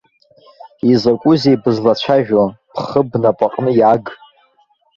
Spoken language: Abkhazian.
Изакәызеи бызлацәажәо, бхы бнапаҟны иааг!